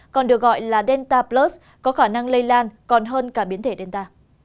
còn được gọi là delta plus có khả năng lây lan còn hơn cả biến thể danta